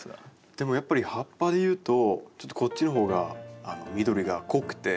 でもやっぱり葉っぱでいうとちょっとこっちのほうが緑が濃くて。